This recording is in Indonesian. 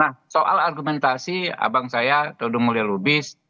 nah soal argumentasi abang saya todung mulya lubis